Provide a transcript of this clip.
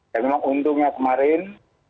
dan memang untungnya kemarin